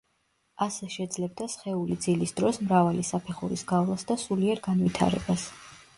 ასე შეძლებდა სხეული ძილის დროს მრავალი საფეხურის გავლას და სულიერ განვითარებას.